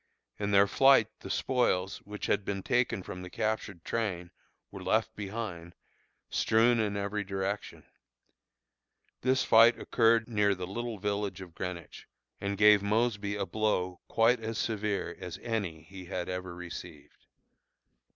In their flight the spoils, which had been taken from the captured train, were left behind, strewn in every direction. This fight occurred near the little village of Greenwich, and gave Mosby a blow quite as severe as any he had ever received.